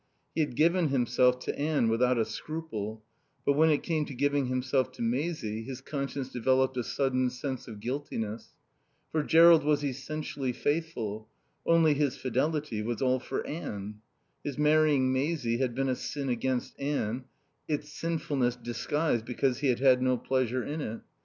He had given himself to Anne without a scruple, but when it came to giving himself to Maisie his conscience developed a sudden sense of guiltiness. For Jerrold was essentially faithful; only his fidelity was all for Anne. His marrying Maisie had been a sin against Anne, its sinfulness disguised because he had had no pleasure in it.